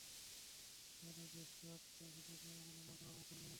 না, সে বেশ সৎ, অসুদপায় অবলম্বন করার মতো মেয়ে না সে।